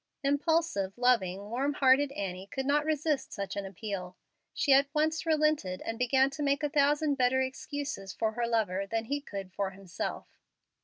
Impulsive, loving, warm hearted Annie could not resist such an appeal. She at once relented, and began to make a thousand better excuses for her lover than he could for himself.